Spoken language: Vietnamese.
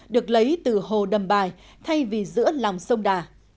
được lấy từ hồ đầm bài thay vì giữa lòng sông đà